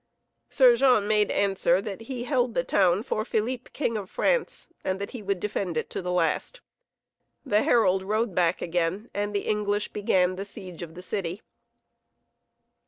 Sir Jean made answer that he held the town for Philippe, King of France, and that he would defend it to the last; the herald rode back again and the English began the siege of the city.